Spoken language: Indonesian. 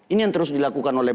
ini yang terus dilakukan oleh